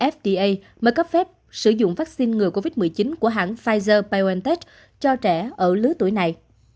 fda mới cấp phép sử dụng vaccine ngừa covid một mươi chín của hãng pfizer biontech cho trẻ ở lứa tuổi này